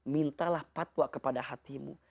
mintalah patwa kepada hatimu